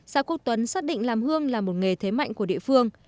xã quốc tuấn xác định làm hương là một nghề thế mạnh của địa phương